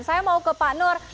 saya mau ke pak nur